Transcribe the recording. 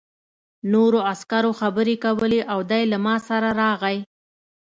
نورو عسکرو خبرې کولې او دی له ما سره راغی